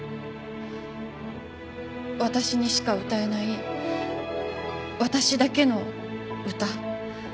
私にしか歌えない私だけの歌。